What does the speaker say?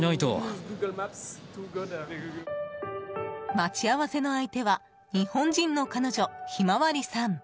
待ち合わせの相手は日本人の彼女、ひまわりさん。